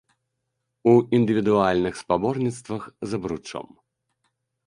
У індывідуальных спаборніцтвах з абручом.